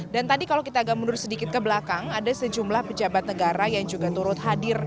dan tadi kalau kita agak menurut sedikit ke belakang ada sejumlah pejabat negara yang juga turut hadir